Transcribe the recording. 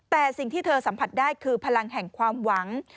แต่สิ่งที่เธอสัมผัสได้คือพลังแห่งความหวัง